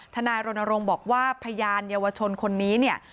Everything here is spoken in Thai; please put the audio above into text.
นายรณรงค์บอกว่าพยานเยาวชนคนนี้เนี่ย